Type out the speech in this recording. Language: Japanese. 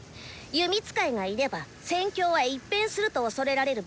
「弓使いがいれば戦況は一変する」と恐れられる武器なんだ。